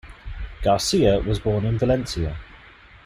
Garcia was born in Valencia.